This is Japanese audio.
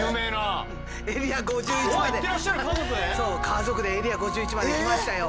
家族でエリア５１まで行きましたよ。